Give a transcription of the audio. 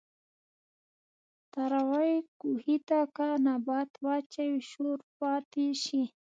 تاروۀ کوهي ته کۀ نبات واچوې شور پاتې شي